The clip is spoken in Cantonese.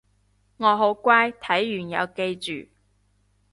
我好乖睇完有記住